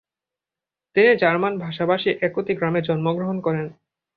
তিনি জার্মান ভাষাভাষী একতি গ্রামে জন্মগ্রহণ করেন।